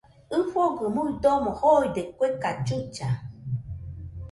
ɨfɨgɨ muidomo joide kue cachucha